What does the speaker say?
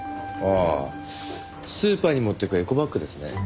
ああスーパーに持っていくエコバッグですね。